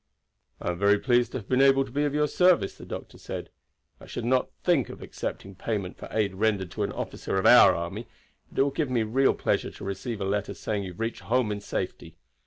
"I am very pleased to have been able to be of service to you," the doctor said. "I should not think of accepting payment for aid rendered to an officer of our army; but it will give me real pleasure to receive a letter saying you have reached home in safety.